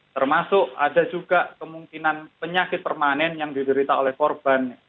termasuk ada juga kemungkinan penyakit permanen yang diderita oleh korban